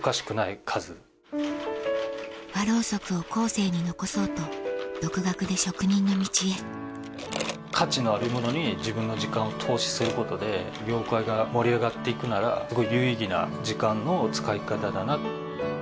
和ろうそくを後世に残そうと価値のあるものに自分の時間を投資することで業界が盛り上がっていくなら有意義な時間の使い方だなと。